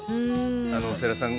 世良さん